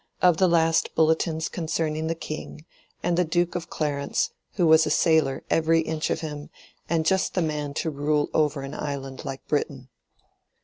of the last bulletins concerning the King, and of the Duke of Clarence, who was a sailor every inch of him, and just the man to rule over an island like Britain.